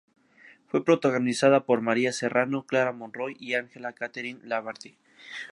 Fue protagonizada por María Serrano, Clara Monroy y Ángela Katherine Laverde.